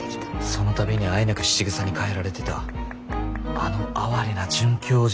その度にあえなく質ぐさにかえられてたあの哀れな准教授。